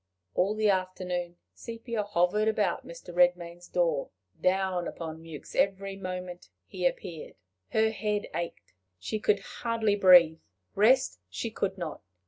All the afternoon Sepia hovered about Mr. Rcdmain's door, down upon Mewks every moment he appeared. Her head ached; she could hardly breathe. Rest she could not.